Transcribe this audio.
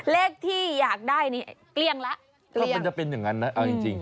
เลขที่อยากได้นี่เกลี้ยงแล้วมันจะเป็นอย่างนั้นนะเอาจริงจริง